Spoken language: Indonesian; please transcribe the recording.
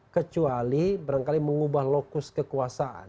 kecuali barangkali mengubah lokus kekuasaan